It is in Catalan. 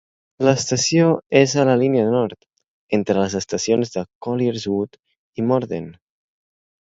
L'estació és a la línia nord, entre les estacions de Colliers Wood i Morden.